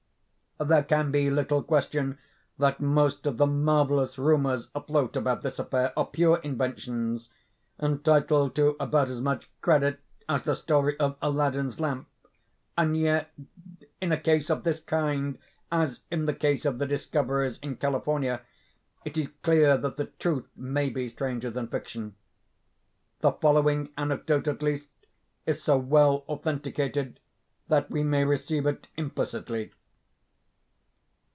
There can be little question that most of the marvellous rumors afloat about this affair are pure inventions, entitled to about as much credit as the story of Aladdin's lamp; and yet, in a case of this kind, as in the case of the discoveries in California, it is clear that the truth may be stranger than fiction. The following anecdote, at least, is so well authenticated, that we may receive it implicitly.